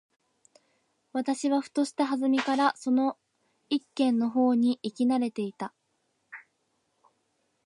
私はふとした機会（はずみ）からその一軒の方に行き慣（な）れていた。